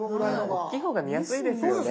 大きい方が見やすいですよね。